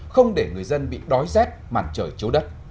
không để người dân bị đói rét màn trời chấu đất